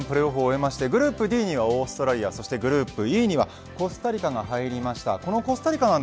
大陸間プレーオフを終えましてグループＤにはオーストラリアそしてグループＥにはコスタリカが入りました。